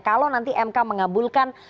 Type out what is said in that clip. kalau nanti mk mengabulkan